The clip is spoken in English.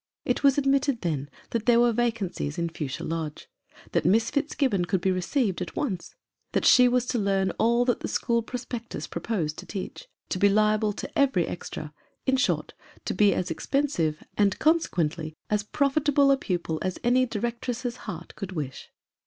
It was admitted, then, that there were vacancies in Fuchsia Lodge ; that Miss Fitzgibbon could be re ceived at once ; that she was to learn all that the school pro spectus proposed to teach ; to be liable to every extra : in short, to be as expensive, and consequently as profitable a pupil as any directress's heart could wish.